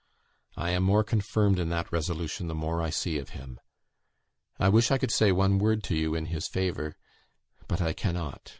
I am more confirmed in that resolution the more I see of him. I wish I could say one word to you in his favour, but I cannot.